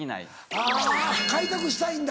あぁ開拓したいんだ。